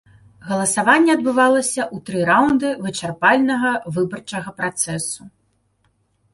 Галасаванне адбывалася ў тры раўнды вычарпальнага выбарчага працэсу.